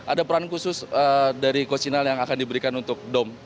ada peran khusus dari cocinal yang akan diberikan untuk dom